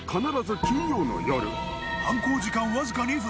犯行時間わずか２分。